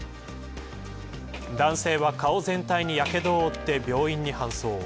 男性は、顔全体にやけどを負って病院に搬送。